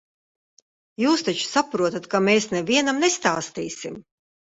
Jūs taču saprotat, ka mēs nevienam nestāstīsim.